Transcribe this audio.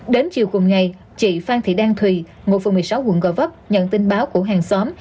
đến chiều cùng ngày chị phan thị đang thùy ngụ phường một mươi sáu quận gò vấp nhận tin báo của hàng xóm